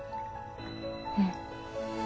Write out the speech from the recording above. うん。